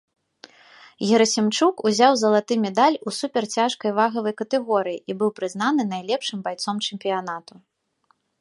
Герасімчук узяў залаты медаль у суперцяжкай вагавай катэгорыі і быў прызнаны найлепшым байцом чэмпіянату.